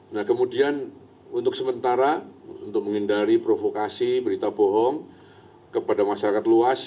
nah kemudian untuk sementara untuk menghindari provokasi berita bohong kepada masyarakat luas